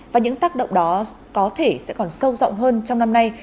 và những tác động đó có thể sẽ còn sâu rộng hơn trong năm nay